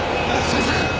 先生！